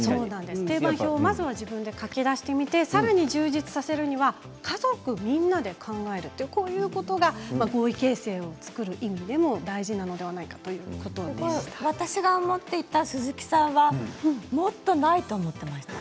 定番表をまずは自分で書き出してみてさらに充実させるには家族みんなで考えるということが合意形成を作る意味でも大事なのではないかということ私が思っていた鈴木さんはもっとないと思っていました。